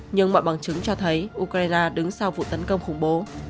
nhưng mọi bằng chứng cho thấy ukraine đứng sau vụ tấn công khủng bố